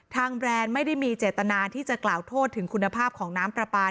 แบรนด์ไม่ได้มีเจตนาที่จะกล่าวโทษถึงคุณภาพของน้ำปลาปลา